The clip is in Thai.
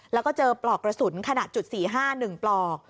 แล้วก็เจอปลอกกระสุนขนาดจุด๔๕๑ปลอก